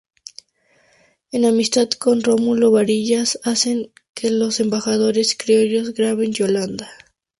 En amistad con Rómulo Varillas hacen que Los Embajadores Criollos graben "Yolanda".